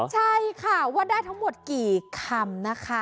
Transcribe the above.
ใช่ค่ะว่าได้ทั้งหมดกี่คำนะคะ